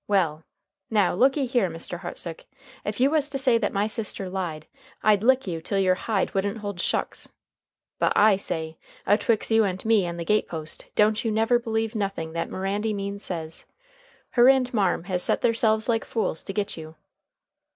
Well! Now, looky here, Mr. Hartsook, ef you was to say that my sister lied, I'd lick you till yer hide wouldn't hold shucks. But I say, a twix you and me and the gate post, don't you never believe nothing that Mirandy Means says. Her and marm has set theirselves like fools to git you.